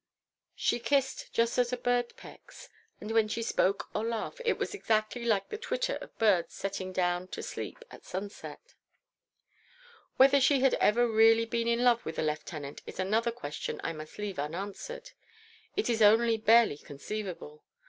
She kissed just as a bird pecks, and when she spoke or laughed, it was exactly like the twitter of birds settling down to sleep at sunset. Whether she had ever really been in love with the lieutenant is another question I must leave unanswered. It is only barely conceivable.